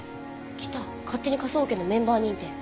きた勝手に科捜研のメンバー認定。